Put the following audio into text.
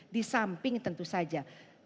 di samping tentu saja